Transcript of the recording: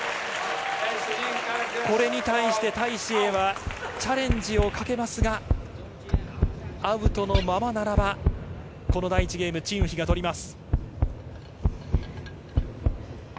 これに対してタイ・シエイはチャレンジをかけますが、アウトのままならばこの第１ゲーム、チン・ウヒがとります。